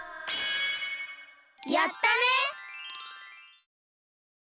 やったね！